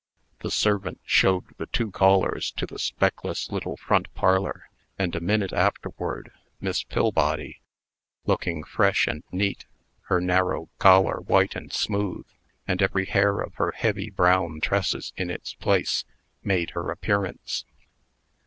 The servant showed the two callers to the speckless little front parlor; and, a minute afterward, Miss Pillbody, looking fresh and neat, her narrow collar white and smooth, and every hair of her heavy brown tresses in its place, made her appearance.